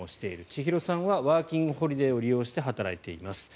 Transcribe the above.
ちひろさんはワーキングホリデーを利用して働いています。